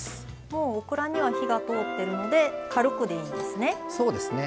もうオクラには火が通っているので軽くでいいんですね。